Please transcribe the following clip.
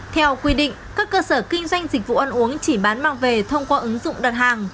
theo quy định các cơ sở kinh doanh dịch vụ ăn uống chỉ bán mang về thông qua ứng dụng đặt hàng